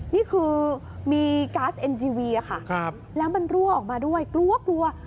นี่คือมีก๊าซเอ็นทีวีค่ะแล้วมันรั่วออกมาด้วยกลัวกลัว